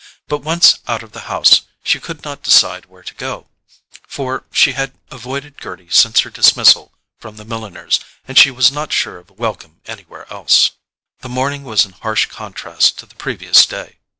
But once out of the house, she could not decide where to go; for she had avoided Gerty since her dismissal from the milliner's, and she was not sure of a welcome anywhere else. The morning was in harsh contrast to the previous day.